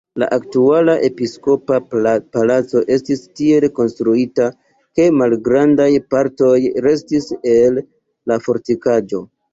La aktuala episkopa palaco estis tiel konstruita, ke malgrandaj partoj restis el la fortikaĵo.